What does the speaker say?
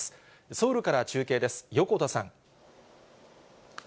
ソウルから中継です、横田さん。